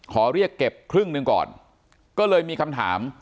ขอเรียกเก็บครึ่งหนึ่งก่อนก็เลยมีคำถาม